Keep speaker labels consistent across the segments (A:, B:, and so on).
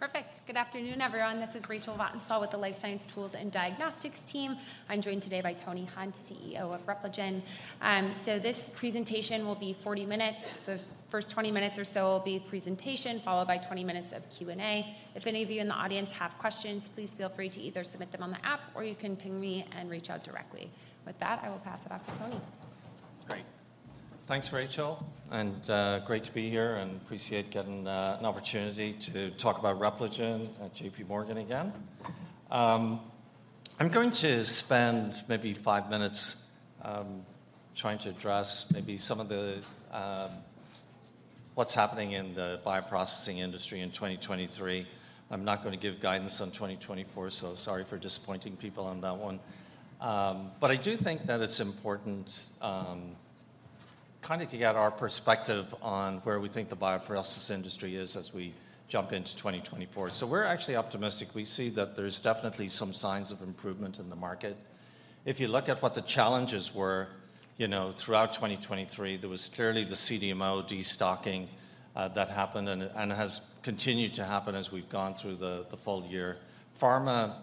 A: Perfect. Good afternoon, everyone. This is Rachel Vatnsdal with the Life Science Tools and Diagnostics team. I'm joined today by Tony Hunt, CEO of Repligen. So this presentation will be 40 minutes. The first 20 minutes or so will be presentation, followed by 20 minutes of Q&A. If any of you in the audience have questions, please feel free to either submit them on the app or you can ping me and reach out directly. With that, I will pass it off to Tony.
B: Great. Thanks, Rachel and great to be here and appreciate getting an opportunity to talk about Repligen at JPMorgan again. I'm going to spend maybe 5 minutes trying to address maybe some of the what's happening in the bioprocessing industry in 2023. I'm not gonna give guidance on 2024, so sorry for disappointing people on that one. But I do think that it's important kind of to get our perspective on where we think the bioprocessing industry is as we jump into 2024. So we're actually optimistic. We see that there's definitely some signs of improvement in the market. If you look at what the challenges were throughout 2023, there was clearly the CDMO destocking that happened and has continued to happen as we've gone through the full year. Pharma,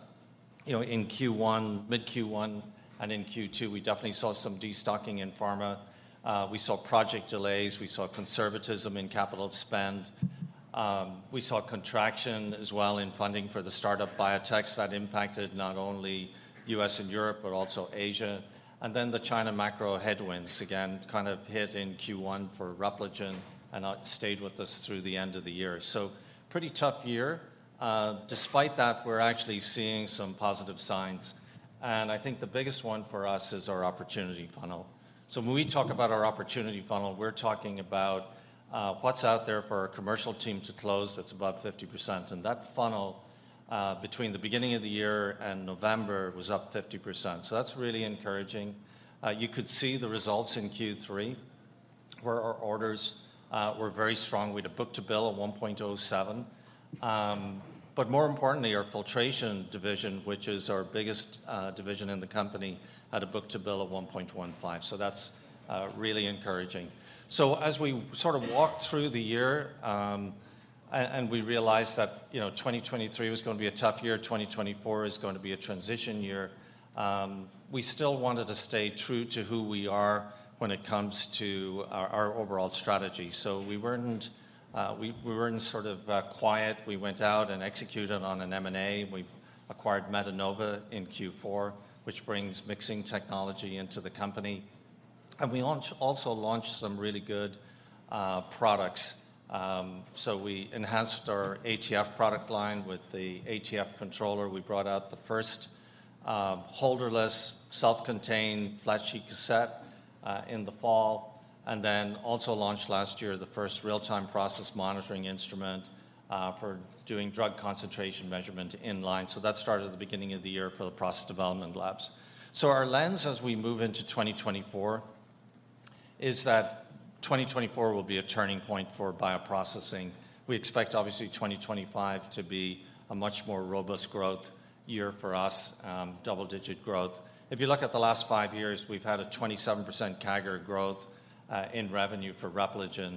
B: In Q1, mid-Q1 and in Q2, we definitely saw some destocking in pharma. We saw project delays, we saw conservatism in capital spend, we saw contraction as well in funding for the startup biotechs that impacted not only U.S. and Europe, but also Asia and then the China macro headwinds, again kind of hit in Q1 for Repligen and, stayed with us through the end of the year. So pretty tough year. Despite that, we're actually seeing some positive signs and the biggest one for us is our opportunity funnel. So when we talk about our opportunity funnel, we're talking about, what's out there for our commercial team to close. That's above 50% and that funnel, between the beginning of the year and November, was up 50%. So that's really encouraging. You could see the results in Q3, where our orders were very strong. We had a book-to-bill of 1.07. But more importantly, our filtration division, which is our biggest division in the company, had a book-to-bill of 1.15. So that's really encouraging. So as we sort of walked through the year and we realized that 2023 was gonna be a tough year, 2024 is going to be a transition year, we still wanted to stay true to who we are when it comes to our overall strategy. So we weren't, we weren't sort of quiet. We went out and executed on an M&A. We acquired Metenova in Q4, which brings mixing technology into the company and we also launched some really good products. So we enhanced our ATF product line with the ATF controller. We brought out the first holderless, self-contained, flat sheet cassette in the fall and then also launched last year, the first real-time process monitoring instrument for doing drug concentration measurement in-line. So that started at the beginning of the year for the process development labs. So our lens as we move into 2024, is that 2024 will be a turning point for bioprocessing. We expect 2025 to be a much more robust growth year for us, double-digit growth. If you look at the last 5 years, we've had a 27% CAGR growth in revenue for Repligen.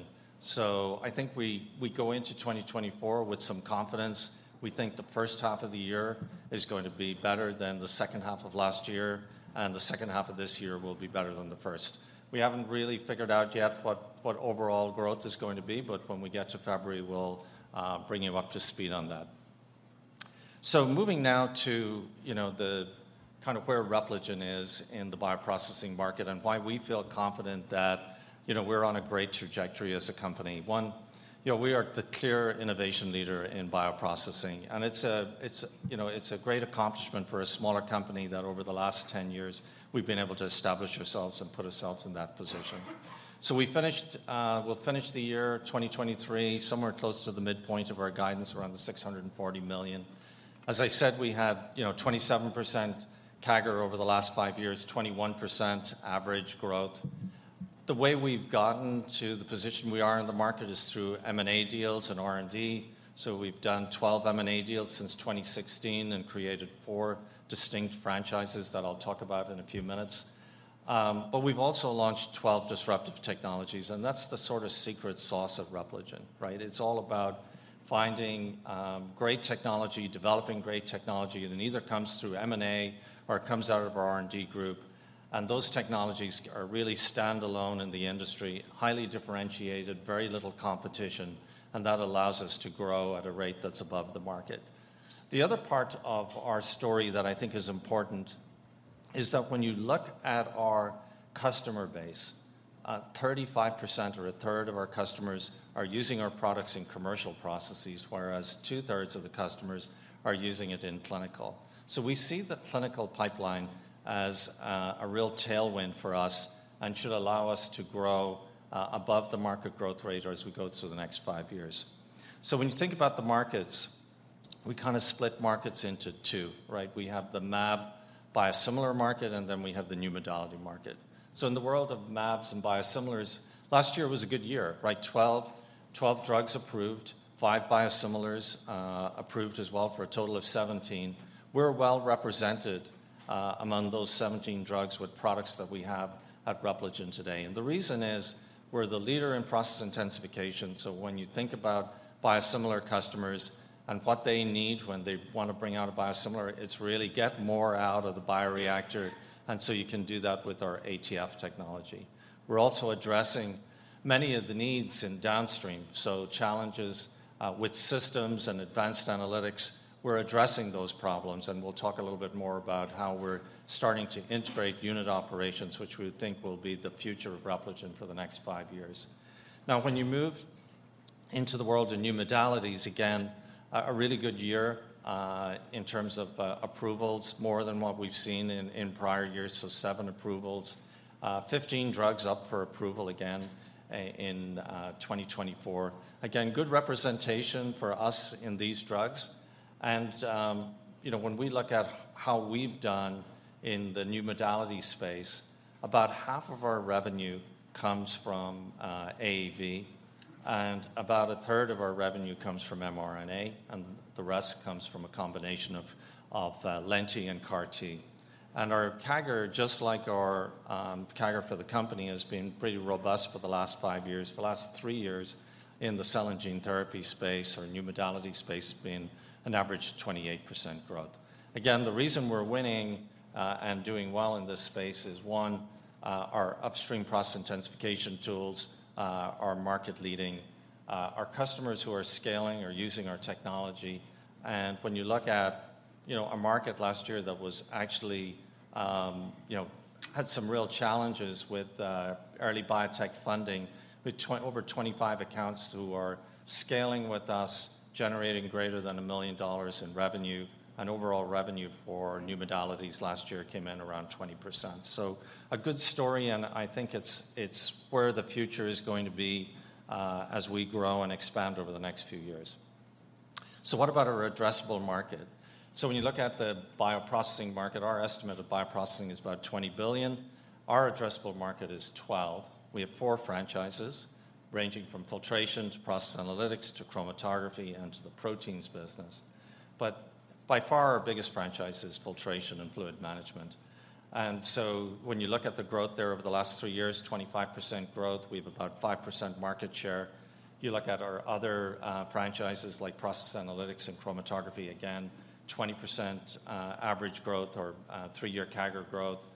B: We go into 2024 with some confidence. We think the first half of the year is going to be better than the second half of last year and the second half of this year will be better than the first. We haven't really figured out yet what overall growth is going to be, but when we get to February, we'll bring you up to speed on that. So moving now to the kind of where Repligen is in the bioprocessing market and why we feel confident that we're on a great trajectory as a company. One, we are the clear innovation leader in bioprocessing and it's a great accomplishment for a smaller company that over the last 10 years, we've been able to establish ourselves and put ourselves in that position. We finished the year 2023 somewhere close to the midpoint of our guidance, around $640 million. As I said, we had 27% CAGR over the last 5 years, 21% average growth. The way we've gotten to the position we are in the market is through M&A deals and R&D. We've done 12 M&A deals since 2016 and created four distinct franchises that I'll talk about in a few minutes. But we've also launched 12 disruptive technologies and that's the sort of secret sauce of Repligen, right? It's all about finding great technology, developing great technology and it either comes through M&A or it comes out of our R&D group and those technologies are really standalone in the industry, highly differentiated, very little competition and that allows us to grow at a rate that's above the market. The other part of our story that I think is important is that when you look at our customer base, 35% or a third of our customers are using our products in commercial processes, whereas two-thirds of the customers are using it in clinical. So we see the clinical pipeline as a real tailwind for us and should allow us to grow above the market growth rate as we go through the next 5 years. So when you think about the markets, we kind of split markets into two, right? We have the mAb biosimilar market and then we have the New Modality market. So in the world of mAbs and biosimilars, last year was a good year, right? 12 drugs approved, 5 biosimilars approved as well, for a total of 17. We're well represented among those 17 drugs with products that we have at Repligen today and the reason is, we're the leader in process intensification. So when you think about biosimilar customers and what they need when they want to bring out a biosimilar, it's really get more out of the bioreactor and so you can do that with our ATF technology. We're also addressing many of the needs in downstream. Challenges with systems and advanced analytics, we're addressing those problems and we'll talk a little bit more about how we're starting to integrate unit operations, which we think will be the future of Repligen for the next 5 years. Now, when you move into the world of new modalities, again, a really good year in terms of approvals, more than what we've seen in prior years, so 7 approvals. Fifteen drugs up for approval again in 2024. Again, good representation for us in these drugs and when we look at how we've done in the new modality space, about half of our revenue comes from AAV and about a third of our revenue comes from mRNA and the rest comes from a combination of Lenti and CAR T. Our CAGR, just like our CAGR for the company, has been pretty robust for the last five years. The last three years in the cell and gene therapy space or new modality space has been an average of 28% growth. Again, the reason we're winning and doing well in this space is, one, our upstream process intensification tools are market-leading. Our customers who are scaling are using our technology and when you look at a market last year that was actually had some real challenges with early biotech funding, with over 25 accounts who are scaling with us, generating greater than $1 million in revenue and overall revenue for new modalities last year came in around 20%. A good story and it's where the future is going to be as we grow and expand over the next few years. What about our addressable market? When you look at the bioprocessing market, our estimate of bioprocessing is about $20 billion. Our addressable market is $12 billion. We have four franchises, ranging from Filtration to Process Analytics to Chromatography and to the Proteins business. But by far, our biggest franchise is Filtration and Fluid Management. When you look at the growth there over the last three years, 25% growth, we have about 5% market share. If you look at our other franchises like process analytics and chromatography, again, 20% average growth or three-year CAGR growth.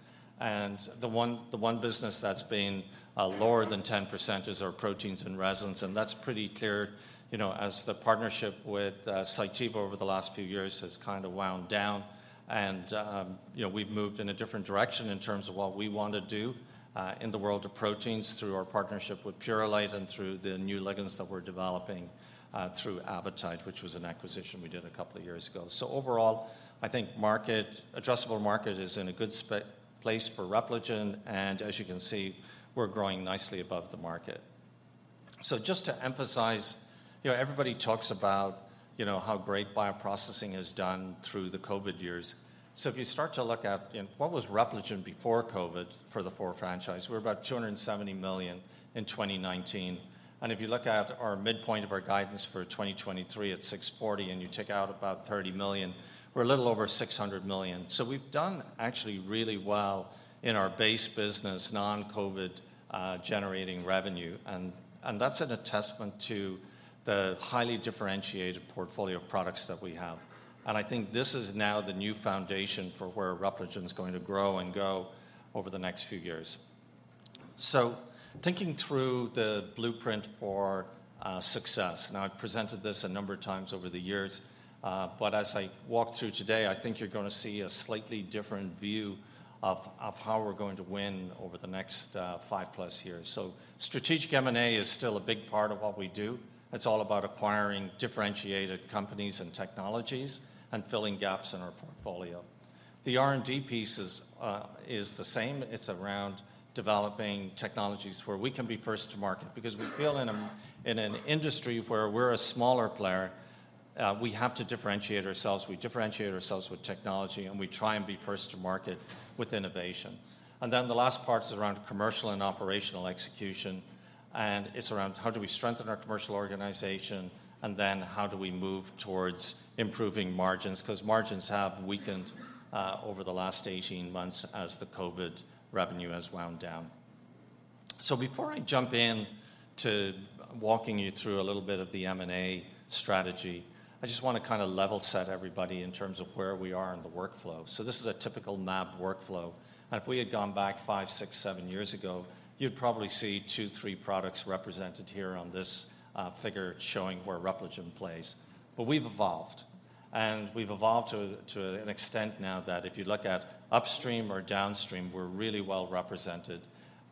B: The one business that's been lower than 10% is our proteins and resins and that's pretty clear as the partnership with Cytiva over the last few years has kind of wound down. We've moved in a different direction in terms of what we want to do in the world of proteins through our partnership with Purolite and through the new ligands that we're developing through Avitide, which was an acquisition we did a couple of years ago. Overall, market addressable market is in a good place for Repligen and as you can see, we're growing nicely above the market. Just to emphasize everybody talks about how great bioprocessing has done through the COVID years. If you start to look at what was Repligen before COVID for the core franchise? We were about $270 million in 2019 and if you look at our midpoint of our guidance for 2023 at $640 and you take out about $30 million, we're a little over $600 million. So we've done actually really well in our base business, non-COVID, generating revenue and that's a testament to the highly differentiated portfolio of products that we have and this is now the new foundation for where Repligen is going to grow and go over the next few years. Thinking through the blueprint for success, now, I've presented this a number of times over the years, but as I walk through today, You're gonna see a slightly different view of how we're going to win over the next 5+ years. Strategic M&A is still a big part of what we do. It's all about acquiring differentiated companies and technologies and filling gaps in our portfolio. The R&D piece is the same. It's around developing technologies where we can be first to market, because we feel in an industry where we're a smaller player, we have to differentiate ourselves. We differentiate ourselves with technology and we try and be first to market with innovation. Then the last part is around commercial and operational execution and it's around how do we strengthen our commercial organization and then how do we move towards improving margins? 'Cause margins have weakened over the last 18 months as the COVID revenue has wound down. So before I jump in to walking you through a little bit of the M&A strategy, I just wanna kind of level set everybody in terms of where we are in the workflow. So this is a typical mAb workflow and if we had gone back 5, 6, 7 years ago, you'd probably see 2, 3 products represented here on this figure showing where Repligen plays. But we've evolved and we've evolved to, to an extent now that if you look at upstream or downstream, we're really well represented.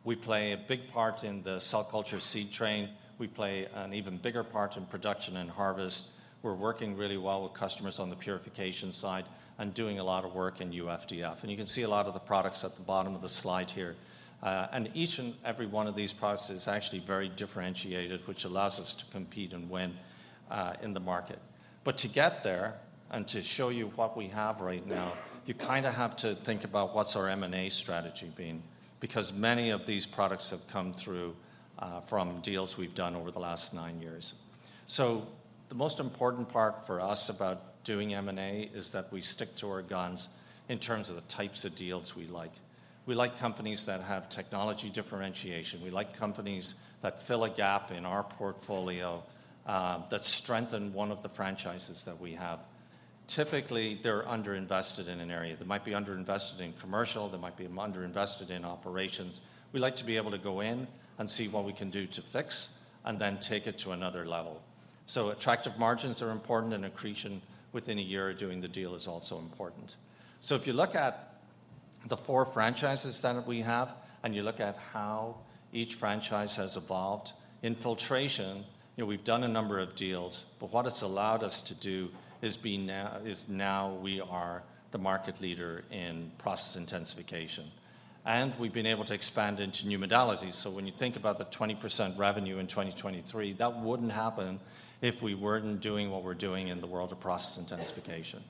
B: We play a big part in the cell culture seed train. We play an even bigger part in production and harvest. We're working really well with customers on the purification side and doing a lot of work in UF/DF. You can see a lot of the products at the bottom of the slide here. Each and every one of these products is actually very differentiated, which allows us to compete and win in the market. But to get there and to show you what we have right now, you kind of have to think about what's our M&A strategy been, because many of these products have come from deals we've done over the last 9 years. So the most important part for us about doing M&A is that we stick to our guns in terms of the types of deals we like. We like companies that have technology differentiation. We like companies that fill a gap in our portfolio, that strengthen one of the franchises that we have. Typically, they're underinvested in an area. They might be underinvested in commercial, they might be underinvested in operations. We like to be able to go in and see what we can do to fix and then take it to another level. So attractive margins are important and accretion within a year of doing the deal is also important. If you look at the four franchises that we have and you look at how each franchise has evolved, in filtration we've done a number of deals, but what it's allowed us to do is now we are the market leader in process intensification and we've been able to expand into new modalities. When you think about the 20% revenue in 2023, that wouldn't happen if we weren't doing what we're doing in the world of process intensification.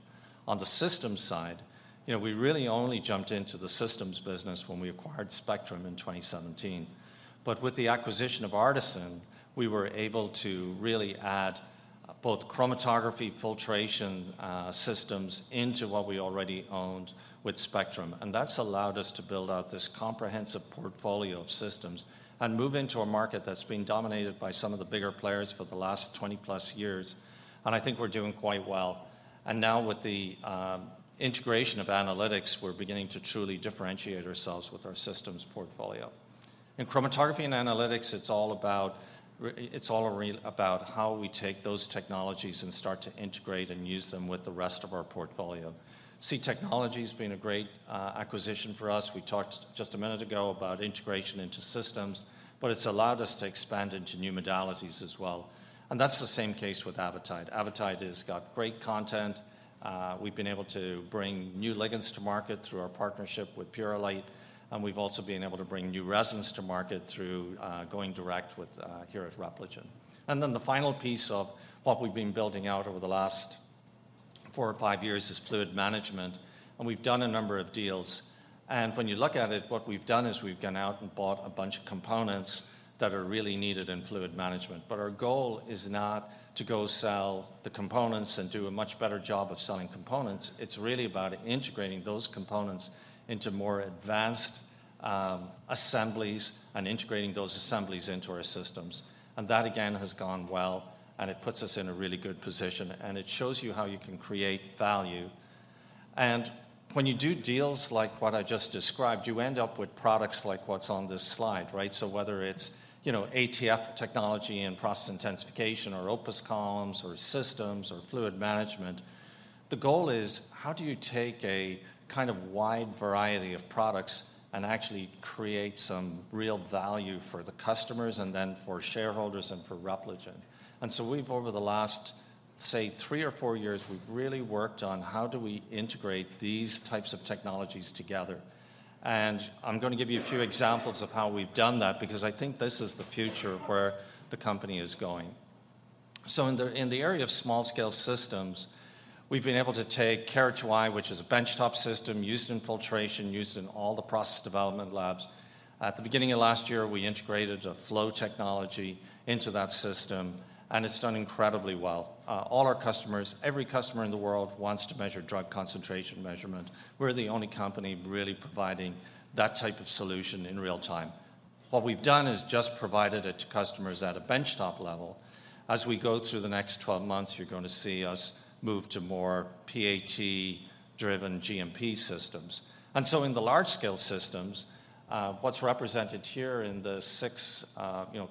B: On the systems side, we really only jumped into the systems business when we acquired Spectrum in 2017. But with the acquisition of ARTeSYN, we were able to really add both chromatography filtration systems into what we already owned with Spectrum and that's allowed us to build out this comprehensive portfolio of systems and move into a market that's been dominated by some of the bigger players for the last 20+ years and we're doing quite well and now with the integration of analytics, we're beginning to truly differentiate ourselves with our systems portfolio. In chromatography and analytics, it's all about how we take those technologies and start to integrate and use them with the rest of our portfolio. C Technologies been a great acquisition for us. We talked just a minute ago about integration into systems, but it's allowed us to expand into new modalities as well and that's the same case with Avitide. Avitide has got great content. We've been able to bring new ligands to market through our partnership with Purolite and we've also been able to bring new resins to market through going direct with here at Repligen and then the final piece of what we've been building out over the last four or five years is fluid management and we've done a number of deals. When you look at it, what we've done is we've gone out and bought a bunch of components that are really needed in fluid management. But our goal is not to go sell the components and do a much better job of selling components. It's really about integrating those components into more advanced assemblies and integrating those assemblies into our systems and that, again, has gone well and it puts us in a really good position and it shows you how you can create value and when you do deals like what I just described, you end up with products like what's on this slide, right? Whether it's ATF technology and process intensification, or OPUS columns or systems or fluid management, the goal is that how do you take a kind of wide variety of products and actually create some real value for the customers and then for shareholders and for Repligen? And so we've over the last say three or four years, we've really worked on how do we integrate these types of technologies together and I'm gonna give you a few examples of how we've done that because this is the future of where the company is going. So in the, in the area of small-scale systems, we've been able to take KrosFlo KR2i, which is a benchtop system used in filtration used in all the process development labs. At the beginning of last year, we integrated a FlowVPE technology into that system and it's done incredibly well. All our customers, every customer in the world wants to measure drug concentration measurement. We're the only company really providing that type of solution in real time. What we've done is just provided it to customers at a benchtop level. As we go through the next 12 months, you're going to see us move to more PAT-driven GMP systems and so in the large-scale systems, what's represented here in the 6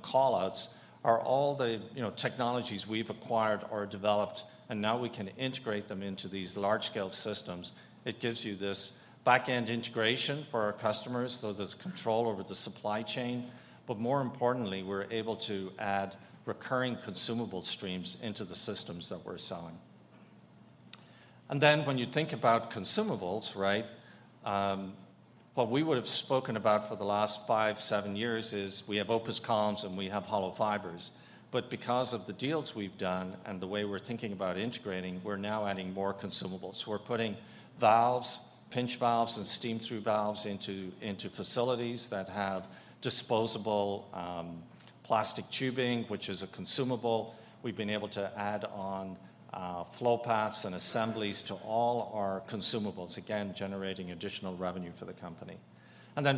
B: call-outs are all the technologies we've acquired or developed and now we can integrate them into these large-scale systems. It gives you this back-end integration for our customers, so there's control over the supply chain but more importantly, we're able to add recurring consumable streams into the systems that we're selling. Then when you think about consumables, right, what we would have spoken about for the last 5 to 7 years is we have OPUS columns and we have hollow fibers. But because of the deals we've done and the way we're thinking about integrating, we're now adding more consumables. We're putting valves, pinch valves and steam-through valves into facilities that have disposable plastic tubing, which is a consumable. We've been able to add on flow paths and assemblies to all our consumables, again, generating additional revenue for the company.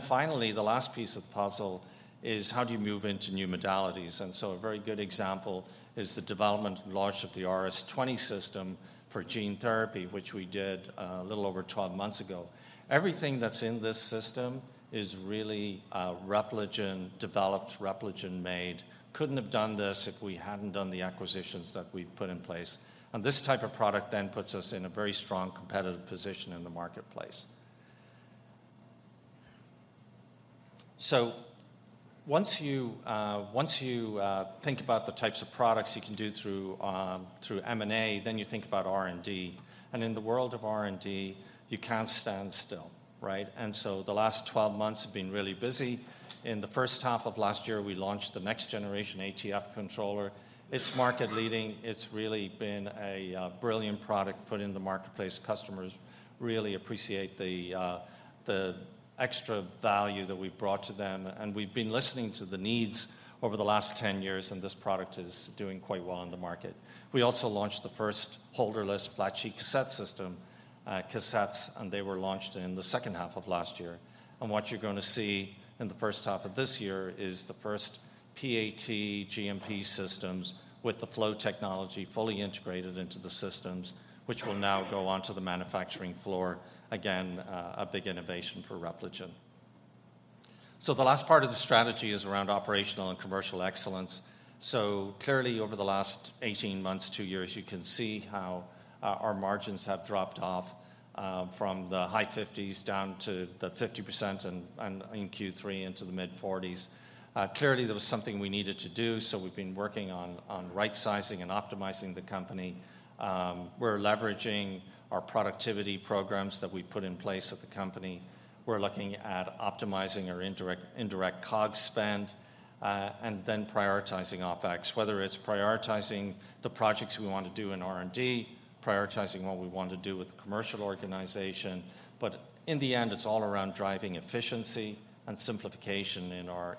B: Finally, the last piece of the puzzle is: how do you move into new modalities? So a very good example is the development and launch of the RS-20 system for gene therapy, which we did a little over 12 months ago. Everything that's in this system is really Repligen-developed, Repligen-made. Couldn't have done this if we hadn't done the acquisitions that we've put in place and this type of product then puts us in a very strong competitive position in the marketplace. So once you think about the types of products you can do through M&A, then you think about r&d and in the world of R&D, you can't stand still, right? And so the last 12 months have been really busy. In the first half of last year, we launched the next-generation ATF controller. It's market-leading. It's really been a brilliant product put in the marketplace. Customers really appreciate the extra value that we've brought to them and we've been listening to the needs over the last 10 years and this product is doing quite well in the market. We also launched the first holderless flat sheet cassette system. Cassettes and they were launched in the second half of last year. What you're gonna see in the first half of this year is the first PAT GMP systems with the FlowVPE technology fully integrated into the systems, which will now go onto the manufacturing floor. Again, a big innovation for Repligen. The last part of the strategy is around operational and commercial excellence. Clearly, over the last 18 months, 2 years, you can see how our margins have dropped off from the high 50s down to the 50% and in Q3 into the mid-40s. Clearly, there was something we needed to do, so we've been working on right-sizing and optimizing the company. We're leveraging our productivity programs that we've put in place at the company. We're looking at optimizing our indirect COGS spend and then prioritizing OpEx, whether it's prioritizing the projects we want to do in R&D, prioritizing what we want to do with the commercial organization. But in the end, it's all around driving efficiency and simplification in our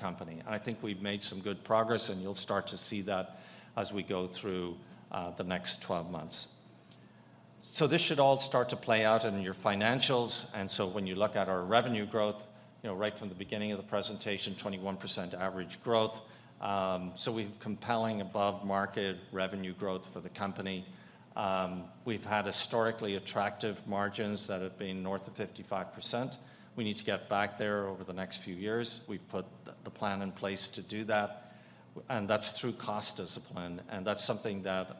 B: company and we've made some good progress and you'll start to see that as we go through the next 12 months. So this should all start to play out in your financials and so when you look at our revenue growth, right from the beginning of the presentation, 21% average growth. We've compelling above-market revenue growth for the company. We've had historically attractive margins that have been north of 55%. We need to get back there over the next few years. We've put the plan in place to do that and that's through cost discipline and that's something that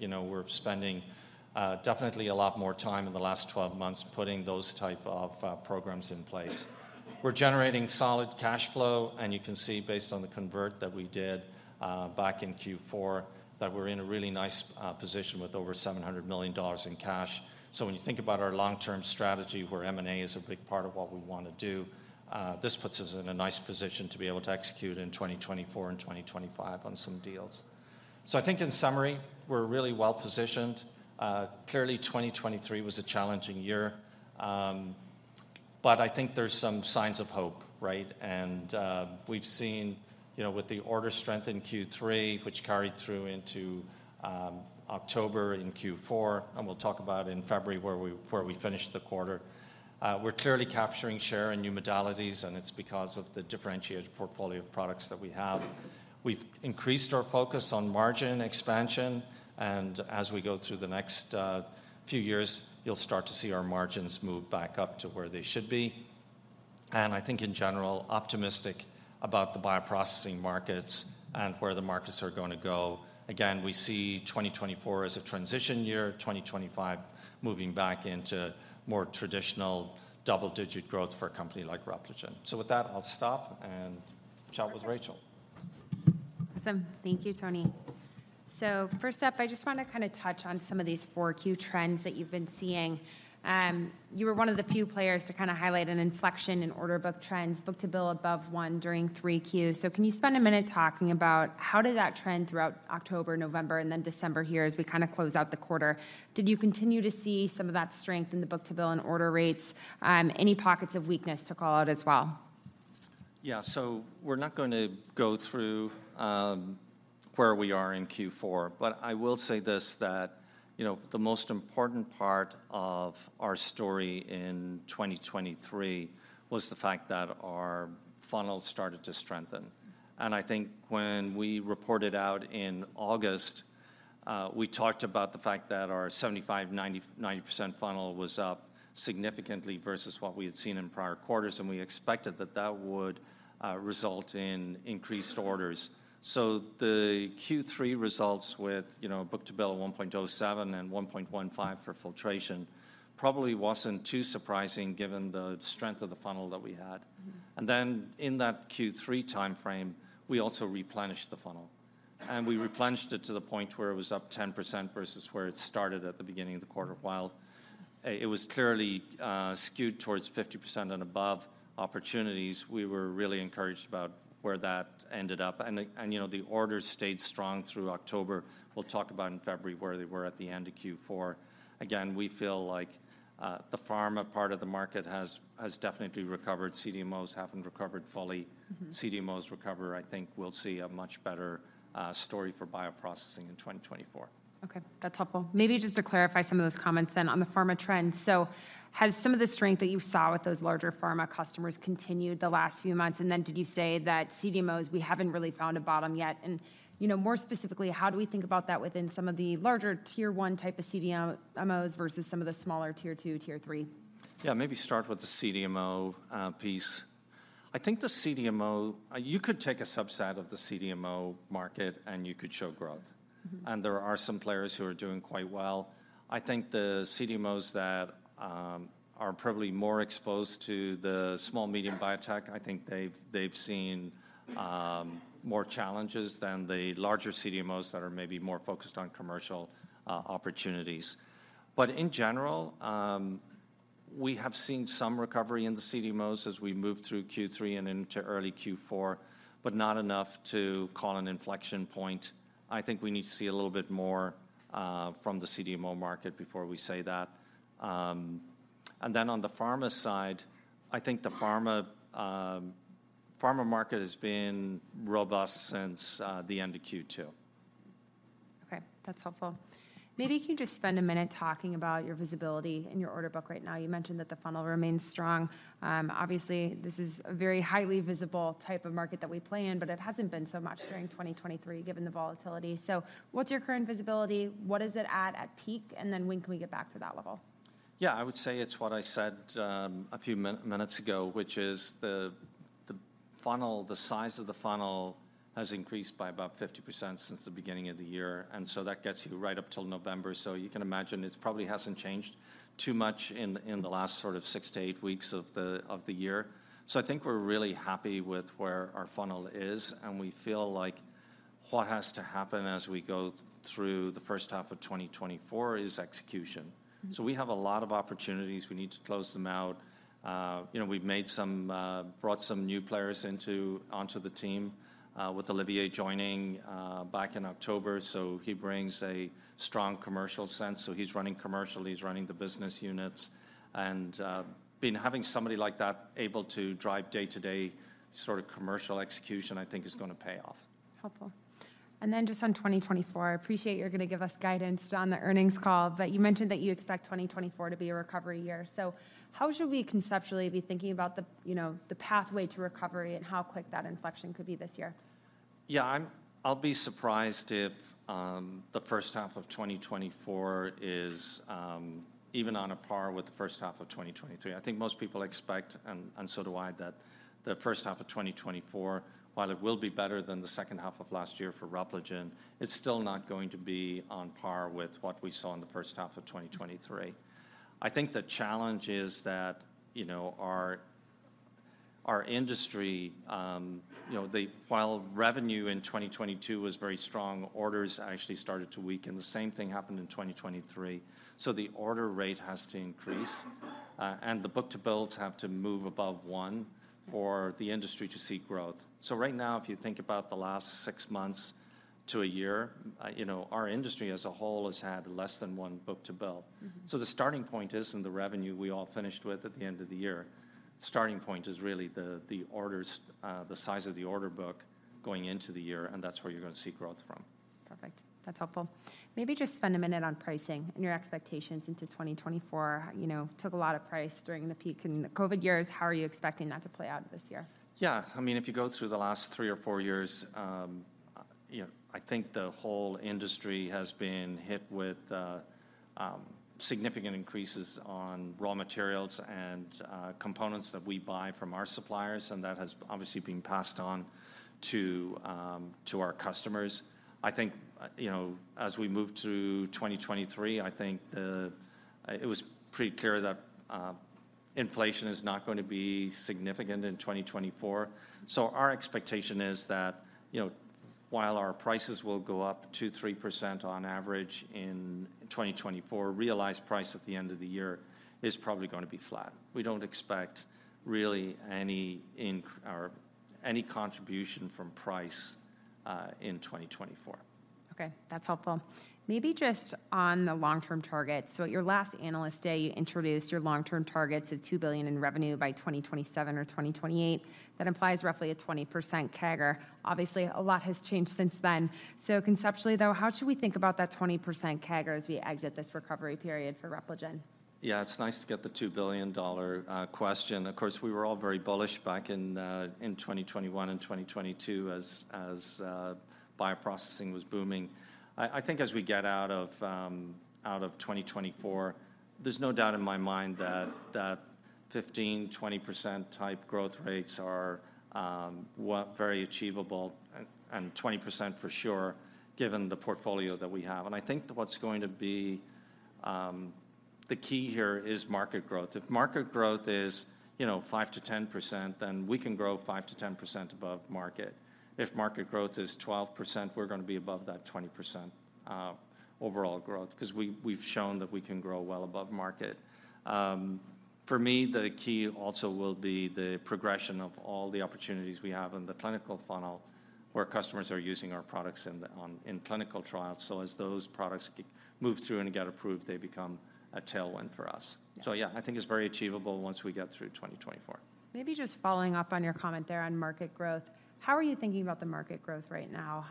B: we're spending definitely a lot more time in the last 12 months, putting those type of programs in place. We're generating solid cash flow and you can see, based on the convert that we did back in Q4, that we're in a really nice position with over $700 million in cash. So when you think about our long-term strategy, where M&A is a big part of what we want to do, this puts us in a nice position to be able to execute in 2024 and 2025 on some deals. In summary, we're really well-positioned. Clearly, 2023 was a challenging year, but there's some signs of hope, right? We've seen with the order strength in Q3, which carried through into October in q4 and we'll talk about in February where we finished the quarter. We're clearly capturing share in new modalities and it's because of the differentiated portfolio of products that we have. We've increased our focus on margin expansion and as we go through the next few years, you'll start to see our margins move back up to where they should be and in general, optimistic about the bioprocessing markets and where the markets are going to go. Again, we see 2024 as a transition year, 2025 moving back into more traditional double-digit growth for a company like Repligen. So with that, I'll stop and chat with Rachel.
A: Awesome. Thank you, Tony. First up, I just want to kind of touch on some of these 4Q trends that you've been seeing. You were one of the few players to kind of highlight an inflection in order book trends, book-to-bill above one during 3Q. Can you spend a minute talking about how did that trend throughout October, november and then December here as we kind of close out the quarter? Did you continue to see some of that strength in the book-to-bill and order rates? Any pockets of weakness to call out as well?
B: We're not going to go through where we are in Q4, but I will say this that the most important part of our story in 2023 was the fact that our funnel started to strengthen and when we reported out in August, we talked about the fact that our 75% to 90% funnel was up significantly versus what we had seen in prior quarters and we expected that that would result in increased orders. So the Q3 results with book-to-bill of 1.07 and 1.15 for filtration probably wasn't too surprising given the strength of the funnel that we had. Then in that Q3 timeframe, we also replenished the funnel and we replenished it to the point where it was up 10% versus where it started at the beginning of the quarter. While it was clearly skewed towards 50% and above opportunities, we were really encouraged about where that ended up and the and the orders stayed strong through October. We'll talk about in February where they were at the end of Q4. Again, we feel like the pharma part of the market has definitely recovered. CDMOs haven't recovered fully. When CDMOs recover, we'll see a much better story for bioprocessing in 2024.
A: That's helpful. Maybe just to clarify some of those comments then on the pharma trend. So has some of the strength that you saw with those larger pharma customers continued the last few months? And then did you say that CDMOs, we haven't really found a bottom yet and more specifically, how do we think about that within some of the larger Tier I type of CDMOs versus some of the smaller Tier II, Tier III?
B: Maybe start with the CDMO piece. The CDMO, you could take a subset of the CDMO market and you could show growth. There are some players who are doing quite well. The CDMOs that are probably more exposed to the small, medium biotech, they've seen more challenges than the larger CDMOs that are maybe more focused on commercial opportunities. But in general, we have seen some recovery in the CDMOs as we moved through Q3 and into early Q4, but not enough to call an inflection point. We need to see a little bit more from the CDMO market before we say that and then on the pharma side, the pharma market has been robust since the end of Q2.
A: That's helpful. Maybe can you just spend a minute talking about your visibility in your order book right now? You mentioned that the funnel remains strong. This is a very highly visible type of market that we play in but it hasn't been so much during 2023, given the volatility. So what's your current visibility? What is it at, at peak? And then when can we get back to that level?
B: I would say it's what I said a few minutes ago, which is the funnel the size of the funnel has increased by about 50% since the beginning of the year and so that gets you right up till November. So you can imagine it probably hasn't changed too much in the last sort of 6-8 weeks of the year. We're really happy with where our funnel is and we feel like what has to happen as we go through the first half of 2024 is execution. So we have a lot of opportunities. We need to close them out. We've made some, brought some new players onto the team, with Olivier joining back in October, so he brings a strong commercial sense. He's running commercial, he's running the business units and having somebody like that able to drive day-to-day sort of commercial execution, It's going to pay off.
A: Helpful and then just on 2024, I appreciate you're going to give us guidance on the earnings call, but you mentioned that you expect 2024 to be a recovery year. So how should we conceptually be thinking about the pathway to recovery and how quick that inflection could be this year?
B: I'll be surprised if the first half of 2024 is even on a par with the first half of 2023. Most people expect and so do I, that the first half of 2024, while it will be better than the second half of last year for Repligen, it's still not going to be on par with what we saw in the first half of 2023. The challenge is that our industry while revenue in 2022 was very strong, orders actually started to weaken. The same thing happened in 2023. So the order rate has to increase and the book-to-bills have to move above 1 for the industry to see growth. Right now, if you think about the last six months to a year, our industry as a whole has had less than one book-to-bill. The starting point isn't the revenue we all finished with at the end of the year. Starting point is really the orders, the size of the order book going into the year and that's where you're going to see growth from.
A: Perfect. That's helpful. Maybe just spend a minute on pricing and your expectations into 2024. Took a lot of price during the peak in the COVID years. How are you expecting that to play out this year?
B: If you go through the last 3 or 4 years the whole industry has been hit with significant increases on raw materials and components that we buy from our suppliers and that has been passed on to our customers. As we move to 2023, it was pretty clear that inflation is not going to be significant in 2024. So our expectation is that while our prices will go up 2-3% on average in 2024, realized price at the end of the year is probably going to be flat. We don't expect really any increase or any contribution from price in 2024.
A: That's helpful. Maybe just on the long-term target. At your last Analyst Day, you introduced your long-term targets of $2 billion in revenue by 2027 or 2028. That implies roughly a 20% CAGR. A lot has changed since then. Conceptually though, how should we think about that 20% CAGR as we exit this recovery period for Repligen?
B: It's nice to get the $2 billion question. We were all very bullish back in 2021 and 2022 as bioprocessing was booming. As we get out of 2024, there's no doubt in my mind that 15%-20% type growth rates are well very achievable and 20% for sure, given the portfolio that we have and what's going to be the key here is market growth. If market growth is 5%-10%, then we can grow 5%-10% above market. If market growth is 12%, we're going to be above that 20% overall growth, because we've shown that we can grow well above market. For me, the key also will be the progression of all the opportunities we have in the clinical funnel, where customers are using our products in clinical trials. So as those products move through and get approved, they become a tailwind for us. It's very achievable once we get through 2024.
A: Maybe just following up on your comment there on market growth, how are you thinking about the market growth right now?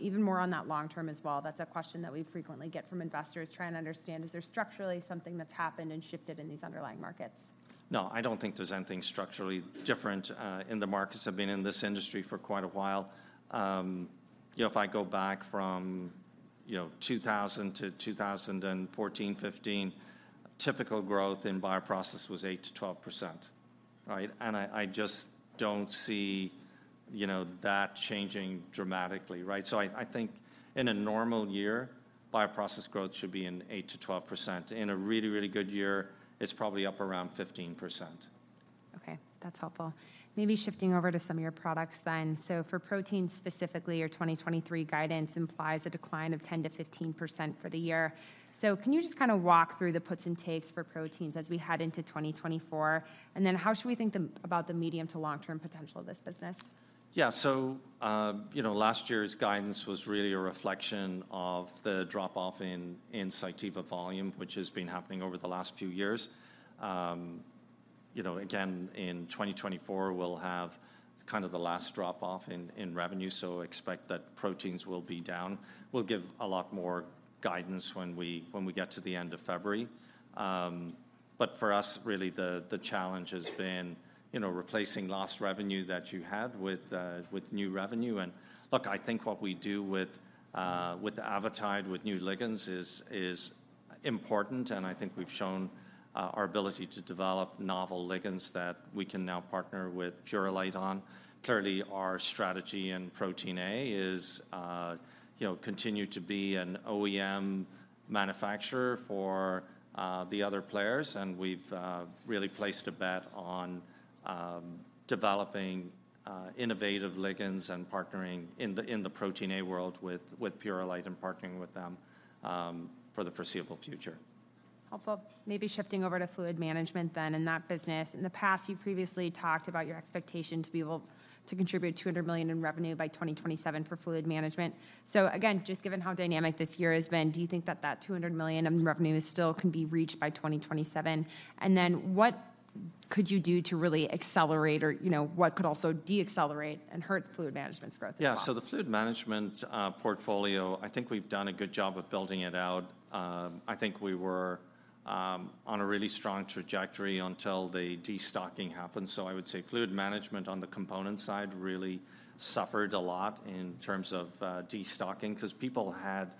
A: Even more on that long term as well. That's a question that we frequently get from investors trying to understand, is there structurally something that's happened and shifted in these underlying markets?
B: No, I don't think there's anything structurally different in the markets. I've been in this industry for quite a while. If I go back from 2000 to 2014, 2015, typical growth in bioprocess was 8%-12%, right? And I just don't see that changing dramatically, right? In a normal year, bioprocess growth should be in 8%-12%. In a really, really good year, it's probably up around 15%.
A: That's helpful. Maybe shifting over to some of your products then. So for proteins specifically, your 2023 guidance implies a decline of 10%-15% for the year. So can you just kind of walk through the puts and takes for proteins as we head into 2024? And then how should we think about the medium- to long-term potential of this business?
B: .Last year's guidance was really a reflection of the drop-off in Cytiva volume, which has been happening over the last few years. Again, in 2024, we'll have kind of the last drop-off in revenue, so expect that proteins will be down. We'll give a lot more guidance when we get to the end of February. But for us, really, the challenge has been replacing lost revenue that you had with new revenue and look what we do with Avitide with new ligands, is important and we've shown our ability to develop novel ligands that we can now partner with Purolite on. Clearly, our strategy in Protein A is continue to be an OEM manufacturer for the other players and we've really placed a bet on developing innovative ligands and partnering in the Protein A world with Purolite and partnering with them for the foreseeable future.
A: Helpful. Maybe shifting over to fluid management then in that business. In the past, you've previously talked about your expectation to be able to contribute $200 million in revenue by 2027 for fluid management. Again, just given how dynamic this year has been, do you think that that $200 million in revenue is still can be reached by 2027? And then what could you do to really accelerate or what could also decelerate and hurt fluid management's growth as well?
B: The fluid management portfolio, we've done a good job of building it out. We were on a really strong trajectory until the destocking happened. I would say fluid management on the component side really suffered a lot in terms of destocking, 'cause people had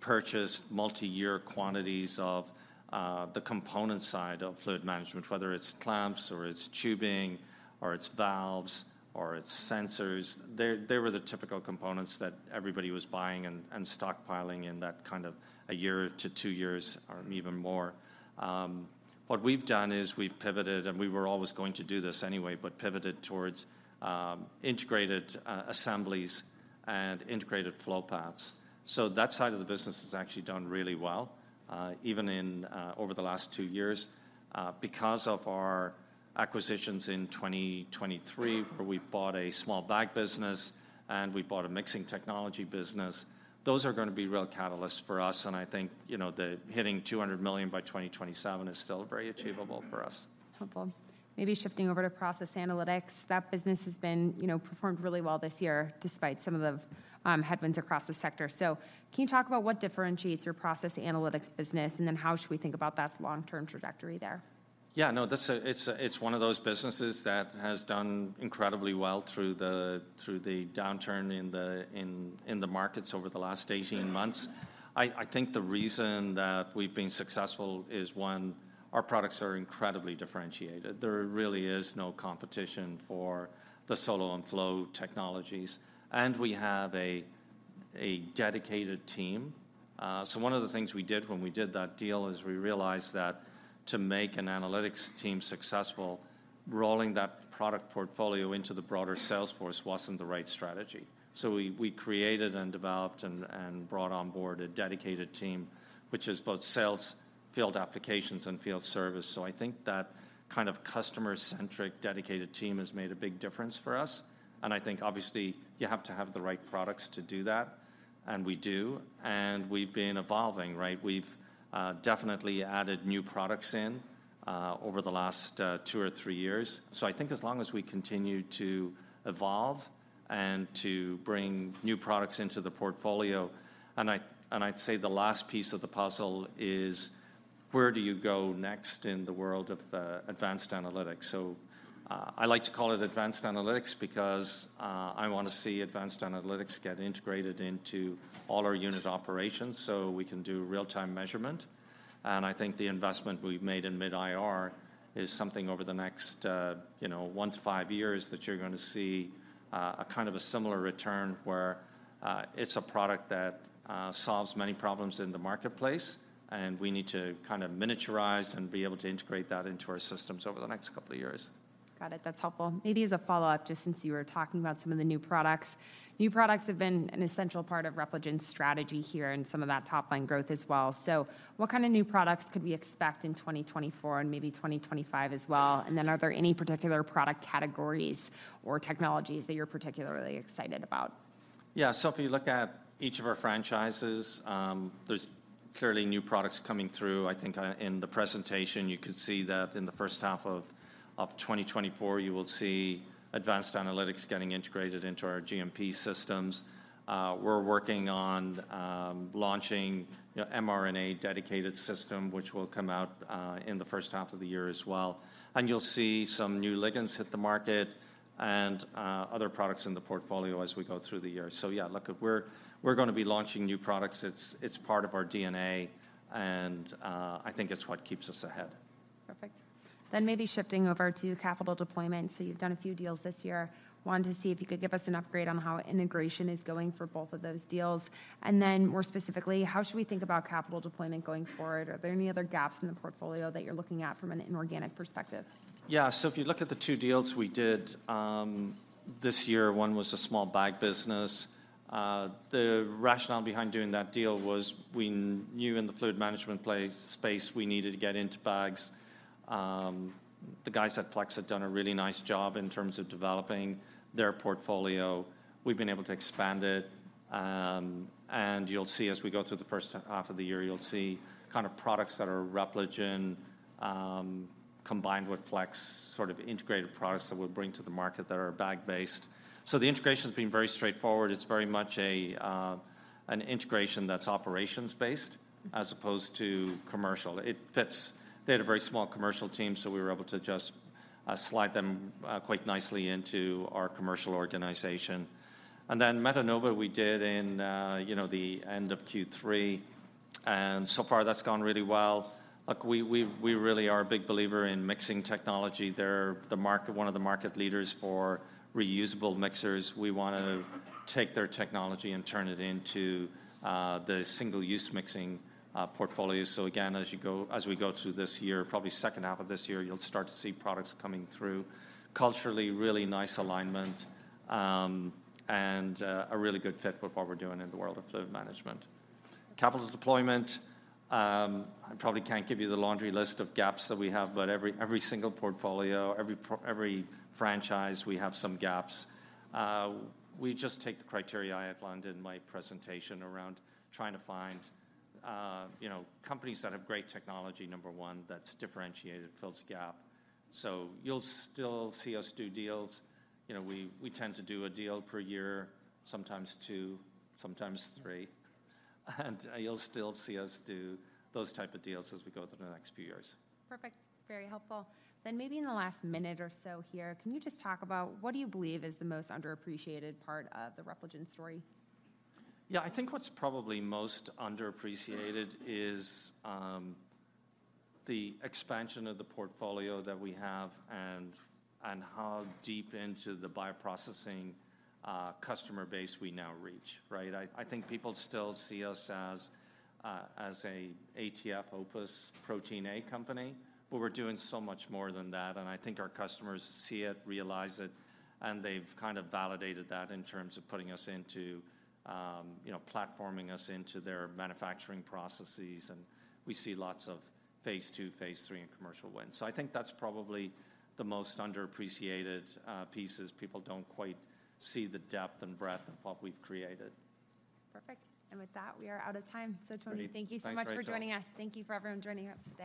B: purchased multi-year quantities of the component side of fluid management, whether it's clamps or it's tubing or it's valves or it's sensors. They were the typical components that everybody was buying and stockpiling in that kind of a year to two years or even more. What we've done is we've pivoted and we were always going to do this anyway, but pivoted towards integrated assemblies and integrated flow paths. So that side of the business has actually done really well, even in over the last two years. Because of our acquisitions in 2023, where we bought a small bag business and we bought a mixing technology business, those are gonna be real catalysts for us and the hitting $200 million by 2027 is still very achievable for us.
A: Helpful. Maybe shifting over to Process Analytics. That business has been performed really well this year, despite some of the headwinds across the sector. So can you talk about what differentiates your Process Analytics business and then how should we think about its long-term trajectory there?
B: No, it's one of those businesses that has done incredibly well through the downturn in the markets over the last 18 months. The reason that we've been successful is, one, our products are incredibly differentiated. There really is no competition for the SoloVPE and FlowVPE technologies and we have a dedicated team. So one of the things we did when we did that deal is we realized that to make an analytics team successful, rolling that product portfolio into the broader sales force wasn't the right strategy. We created and developed and brought on board a dedicated team, which is both sales, field applications and field service. That kind of customer-centric, dedicated team has made a big difference for us and you have to have the right products to do that and we've been evolving, right? We've definitely added new products in over the last two or three years. As long as we continue to evolve and to bring new products into the portfolio.. and I'd say the last piece of the puzzle is, where do you go next in the world of advanced analytics? So I like to call it advanced analytics because I want to see advanced analytics get integrated into all our unit operations, so we can do real-time measurement. The investment we've made in M-IR is something over the next one to five years that you're gonna see a kind of a similar return, where it's a product that solves many problems in the marketplace and we need to kind of miniaturize and be able to integrate that into our systems over the next couple of years.
A: Got it. That's helpful. Maybe as a follow-up, just since you were talking about some of the new products. New products have been an essential part of Repligen's strategy here and some of that top-line growth as well. So what kind of new products could we expect in 2024 and maybe 2025 as well? And then are there any particular product categories or technologies that you're particularly excited about?
B: If you look at each of our franchises, there's clearly new products coming through. In the presentation, you could see that in the first half of 2024, you will see advanced analytics getting integrated into our GMP systems. We're working on launching a mRNA-dedicated system, which will come out in the first half of the year as well and you'll see some new ligands hit the market and other products in the portfolio as we go through the year. Look, we're gonna be launching new products. It's part of our dna and It's what keeps us ahead.
A: Perfect. Then maybe shifting over to capital deployment. So you've done a few deals this year. Wanted to see if you could give us an update on how integration is going for both of those deals and then more specifically, how should we think about capital deployment going forward? Are there any other gaps in the portfolio that you're looking at from an inorganic perspective?
B: If you look at the two deals we did this year, one was a small bag business. The rationale behind doing that deal was we knew in the fluid management space, we needed to get into bags. The guys at Flexa had done a really nice job in terms of developing their portfolio. We've been able to expand it and you'll see as we go through the first half of the year, you'll see kind of products that are Repligen combined with Flex, sort of integrated products that we'll bring to the market that are bag-based. So the integration's been very straightforward. It's very much an integration that's operations-based as opposed to commercial. It fits. They had a very small commercial team, so we were able to just slide them quite nicely into our commercial organization. Then Metenova, we did in the end of Q3 and so far that's gone really well. Look, we really are a big believer in mixing technology. They're the market, one of the market leaders for reusable mixers. We wanna take their technology and turn it into the single-use mixing portfolio. Again, as we go through this year, probably second half of this year, you'll start to see products coming through. Culturally, really nice alignment and a really good fit with what we're doing in the world of fluid management. Capital deployment, I probably can't give you the laundry list of gaps that we have, but every single portfolio, every franchise, we have some gaps. We just take the criteria I outlined in my presentation around trying to find companies that have great technology, number one, that's differentiated, fills a gap. You'll still see us do deals. We tend to do a deal per year, sometimes 2, sometimes 3 and you'll still see us do those type of deals as we go through the next few years.
A: Perfect. Very helpful. Then maybe in the last minute or so here can you just talk about what do you believe is the most underappreciated part of the Repligen story?
B: What's probably most underappreciated is the expansion of the portfolio that we have and and how deep into the bioprocessing customer base we now reach, right? People still see us as as a ATF OPUS Protein A company, but we're doing so much more than that and our customers see it, realize it and they've kind of validated that in terms of putting us into platforming us into their manufacturing processes and we see lots of phase II, phase iii and commercial wins. That's probably the most underappreciated piece is people don't quite see the depth and breadth of what we've created.
A: Perfect. With that, we are out of time.
B: Great.
A: Tony, thank you so much for joining us
B: Thanks Rachel.
A: Thank you for everyone joining us today.